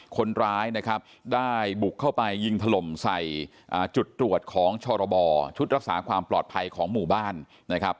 คนร้ายนะครับได้บุกเข้าไปยิงถล่มใส่จุดตรวจของชรบชุดรักษาความปลอดภัยของหมู่บ้านนะครับ